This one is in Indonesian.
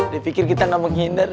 dia pikir kita gak mau ngindar